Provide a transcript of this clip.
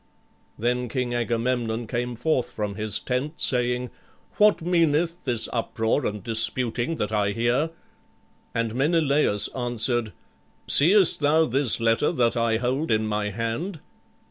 Then King Agamemnon came forth from his tent, saying, "What meaneth this uproar and disputing that I hear?" And Menelaüs answered, "Seest thou this letter that I hold in my hand?"